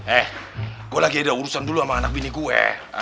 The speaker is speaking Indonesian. eh gue lagi ada urusan dulu sama anak bini gue